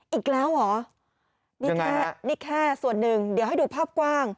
อีกแล้วเหรอนี่แค่นี่แค่ส่วนหนึ่งเดี๋ยวให้ดูภาพกว้าง